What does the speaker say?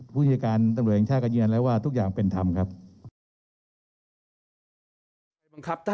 ผู้จัดการตำรวจแห่งชาติก็ยืนยันแล้วว่าทุกอย่างเป็นธรรมครับ